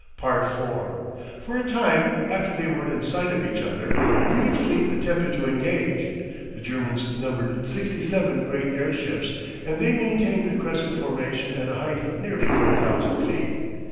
4 For a time after they were in sight of each other, neither fleet attempted to engage. The Germans numbered sixty seven great airships and they maintained the crescent formation at a height of nearly four thousand feet.